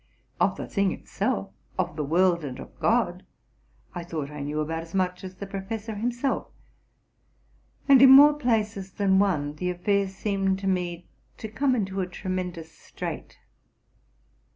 Of the thing itself, of the world, and of God, I thought I knew about as much as the professor himself ; and, in more places than one, the affair seemed to me to come into a tremendous strait.